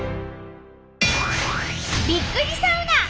びっくりサウナ！